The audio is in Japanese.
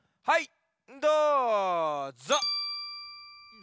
はい。